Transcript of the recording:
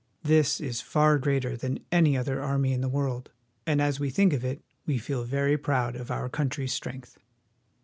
This is far greater than any other army in the world, and as we think of it we feel very proud of our country's strength.